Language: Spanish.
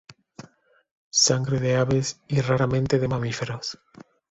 Sangre de aves y raramente de mamíferos.